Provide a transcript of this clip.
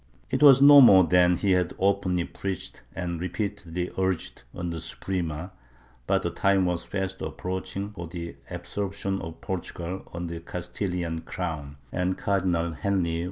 It was no more than he had openly preached and repeatedly urged on the Suprema, but the time was fast approaching for the absorp tion of Portugal under the Castilian crown, and Cardinal Henry Chap.